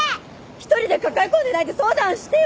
一人で抱え込んでないで相談してよ！